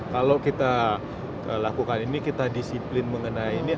kalau kita lakukan ini kita disiplin mengenai ini